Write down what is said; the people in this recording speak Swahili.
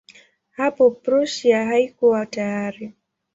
Hapo Prussia haikuwa tayari.